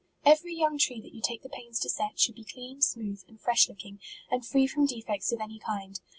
Every young tree that you take the pains to set, should be clean, smooth, and fresh looking, and free from defects of any kind.